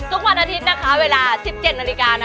ทุกวันอาทิตย์นะคะเวลา๑๗นนะคะ